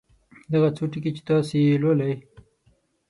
دغه څو ټکي چې تاسې یې لولئ.